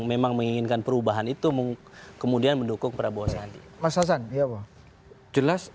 memang menginginkan perubahan itu mengkemudian mendukung prabowo sandi mas hasan ya wajah jelas